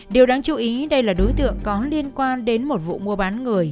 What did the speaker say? điều đáng chú ý đây là đối tượng có liên quan đến một vụ mua bán người